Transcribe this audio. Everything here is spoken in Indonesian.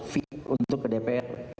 v untuk ke dpr